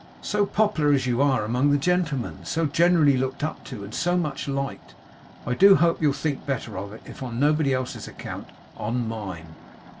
So popular as you are among the gentlemen; so generally looked up to; and so much liked! I do hope you'll think better of it; if on nobody else's account, on mine.